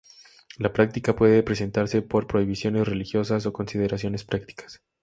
La práctica puede presentarse por prohibiciones religiosas o consideraciones prácticas.